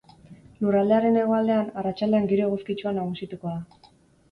Lurraldearen hegoaldean, arratsaldean giro eguzkitsua nagusituko da.